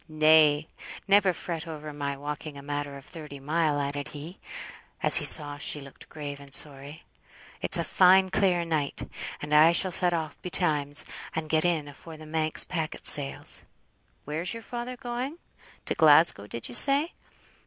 "Nay, never fret over my walking a matter of thirty mile," added he, as he saw she looked grave and sorry. "It's a fine clear night, and I shall set off betimes, and get in afore the Manx packet sails. Where's your father going? To Glasgow, did you say?